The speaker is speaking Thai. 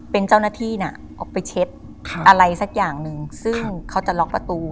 เป็นเจ้าหน้าที่น่ะออกไปเช็ดอะไรสักอย่างหนึ่งซึ่งเขาจะล็อกประตู